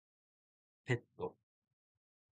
ペット